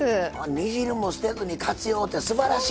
煮汁も捨てずに活用ってすばらしい。